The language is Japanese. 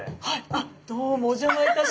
あっどうもお邪魔いたします。